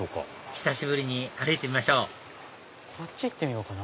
久しぶりに歩いてみましょうこっち行ってみようかな